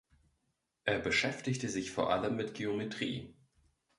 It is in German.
Er beschäftigte sich vor allem mit Geometrie.